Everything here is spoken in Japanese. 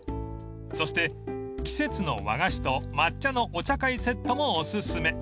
［そして季節の和菓子と抹茶のお茶会セットもお薦め］